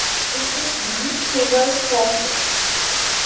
In prison, he was tortured.